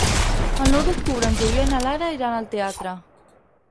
El nou d'octubre en Julià i na Lara iran al teatre.